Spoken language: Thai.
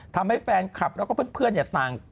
ทำให้แฟนครับและเพื่อนต่าง